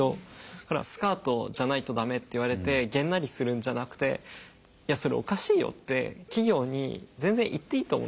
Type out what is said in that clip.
だから「スカートじゃないと駄目」って言われてげんなりするんじゃなくて「いやそれおかしいよ」って企業に全然言っていいと思うんですよ。